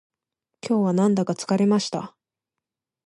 今日はなんだか疲れました